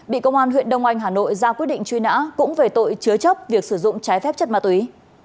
bị công an huyện đông anh hà nội ra quyết định truy nã cũng về tội chứa chấp việc sử dụng trái phép chất ma túy